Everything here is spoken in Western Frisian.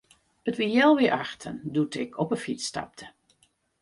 It wie healwei achten doe't ik op 'e fyts stapte.